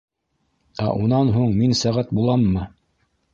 — Ә унан һуң мин сәғәт буламмы?